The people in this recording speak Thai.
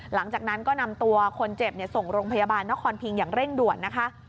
หลังจากนั้นก็นำตัวคนเจ็บส่งโรงพยาบาลนครพิงอย่างเร่งด่วนนะคะ